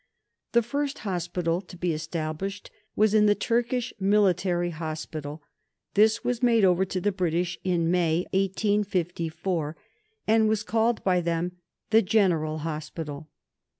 The first hospital to be established was in the Turkish Military Hospital. This was made over to the British in May 1854, and was called by them The General Hospital.